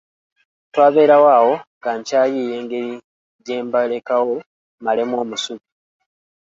Twabeerawo awo nga nkyayiiya engeri gye mbalekawo mmalemu omusubi.